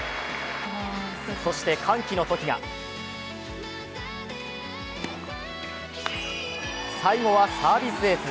そして歓喜の時が最後はサービスエース。